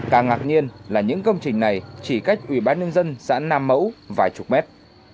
càng ngạc nhiên là những công trình này chỉ cách ủy ban nhân dân xã nam mẫu vài chục mét